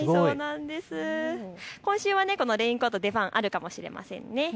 今週はレインコート、出番あるかもしれませんね。